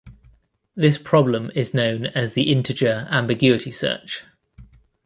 This problem is known as the integer ambiguity search.